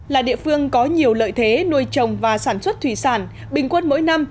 là địa phương có nhiều lợi thế nuôi trồng và sản xuất thủy sản bình quân mỗi năm